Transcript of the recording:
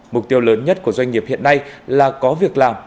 mục tiêu lớn nhất của doanh nghiệp hiện nay là có việc làm